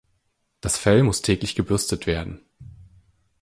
Das Fell muss täglich gebürstet werden.